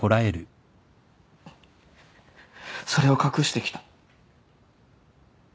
それを隠してきた。